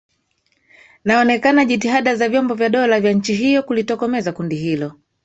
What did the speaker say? naonekana jitihada za vyombo vya dola vya nchi hiyo kulitokomeza kundi hilo